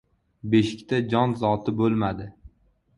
Beshikda jon zoti bo‘lmadi.